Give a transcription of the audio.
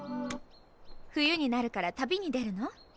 冬になるから旅に出るの？